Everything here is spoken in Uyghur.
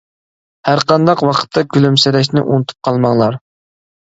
ھەر قانداق ۋاقىتتا كۈلۈمسىرەشنى ئۇنتۇپ قالماڭلار!